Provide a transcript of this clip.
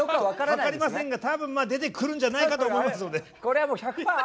分かりませんが多分出てくるんじゃないかと思いますので。